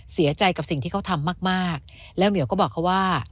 เสียใจกับสิ่งที่เขาทำมากแล้วเหมียวก็บอกเขาว่า